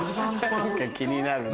何か気になるな。